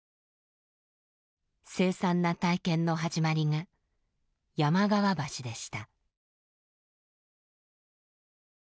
凄惨な体験の始まりが山川橋でした。